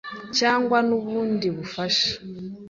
cyangwa n’ubundi bufasha